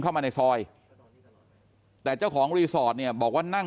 เข้ามาในซอยแต่เจ้าของรีสอร์ทเนี่ยบอกว่านั่ง